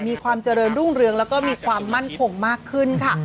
มีความเจริญรุ่งเรืองแล้วก็มีความมั่นคงมากขึ้นค่ะ